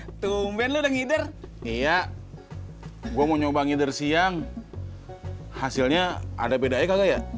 hasilnya ada bedanya kagak ya edet rejeki kita udah selesai ya kalau mau nyoba ngider siang hasilnya ada bedanya kagak ya